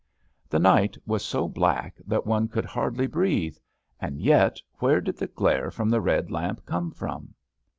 The night was so black that one could hardly breathe ; and yet where did the glare from the red lamp come from?